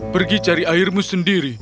pergi cari airmu sendiri